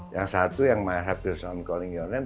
yang satu my heart keeps on calling your name